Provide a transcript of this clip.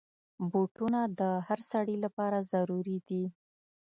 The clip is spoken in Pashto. بوټونه د هر سړي لپاره ضرور دي.